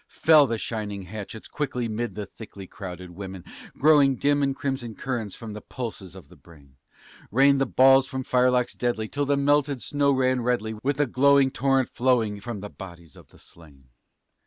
Fell the shining hatchets quickly 'mid the thickly crowded women, Growing dim in crimson currents from the pulses of the brain; Rained the balls from firelocks deadly, till the melted snow ran redly With the glowing torrent flowing from the bodies of the slain.